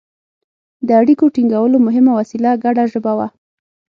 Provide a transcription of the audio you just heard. د اړیکو ټینګولو مهمه وسیله ګډه ژبه وه.